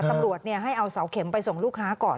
ตำรวจให้เอาเสาเข็มไปส่งลูกค้าก่อน